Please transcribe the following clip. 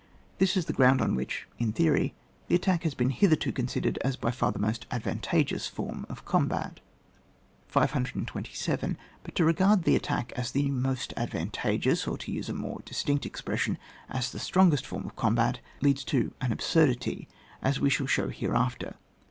This is the ground on which, in theory, the attack has been hitherto con* sidei^ed as by far the most advantageous form of combat. GUIDE TO TACTICS, OR THE THEORY OF THE COMB J T. 167 527. But to regard the attack as the most advantageous, or, to use a more distinct expression, as the strongest form of combat leads to an absurdity, as we shall show hereafter.